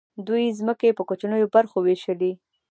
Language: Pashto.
دوی ځمکې په کوچنیو برخو وویشلې.